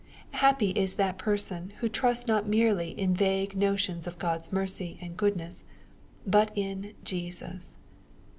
Happy is that person, who trusts not merely in vague notions of God's mercy and goodness, but in " Jesus."